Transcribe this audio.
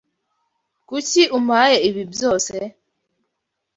Kuki umpaye ibi byose?